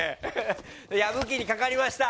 やぶきにかかりました。